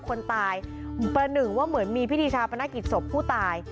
คนตายประหนึ่งว่าเหมือนมีพิธีชาปนกิจศพผู้ตาย